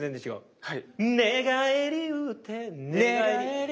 はい。